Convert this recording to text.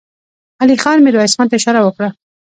علی خان ميرويس خان ته اشاره وکړه.